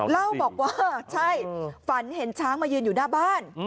เล่าบอกว่าใช่ฝันเห็นช้างมายืนอยู่หน้าบ้าน